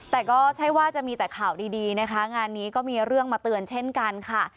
แต่ก็ใช่ว่าจะมีแต่ข่าวดีนะคะงานนี้ก็มีเรื่องมาเตือนเช่นกันค่ะ